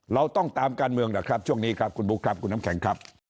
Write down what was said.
เราต้องตามการเมืองแหละครับช่วงนี้ครับคุณบุ๊คครับคุณน้ำแข็งครับ